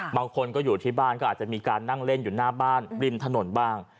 บางคนก็อยู่ที่บ้านก็อาจจะมีการนั่งเล่นอยู่หน้าบ้านริมถนนบ้าง